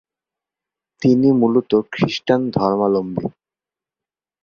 তিনি মূলত খ্রিস্টান ধর্মালম্বী।